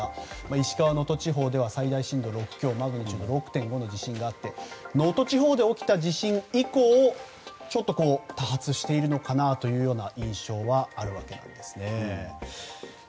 石川・能登地方では最大震度６強マグニチュード６．５の地震があって能登地方で起きた地震以降多発しているのかなという印象があります。